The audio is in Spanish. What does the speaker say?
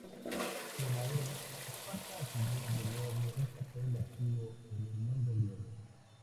Con Areo, Esparta jugó de nuevo un papel activo en el mundo griego.